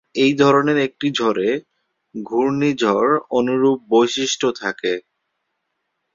এই ধরনের একটি ঝড়ে, ঘুর্ণীঝড় অনুরূপ বৈশিষ্ট্য থাকে।